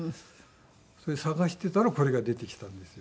それで探していたらこれが出てきたんですよ。